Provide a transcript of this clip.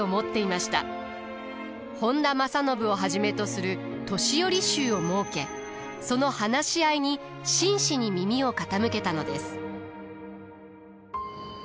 本多正信をはじめとする年寄衆を設けその話し合いに真摯に耳を傾けたのです。